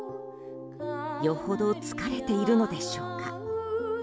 よほど疲れているのでしょうか。